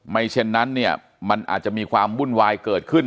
เช่นนั้นเนี่ยมันอาจจะมีความวุ่นวายเกิดขึ้น